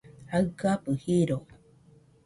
jaɨgabɨ jiro